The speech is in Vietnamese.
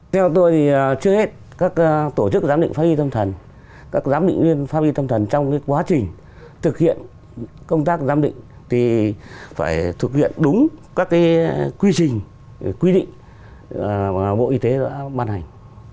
theo tôi thì trước hết các tổ chức giám định pháp y tâm thần các giám định viên pháp y tâm thần trong quá trình thực hiện công tác giám định thì phải thực hiện đúng các quy trình quy định mà bộ y tế đã ban hành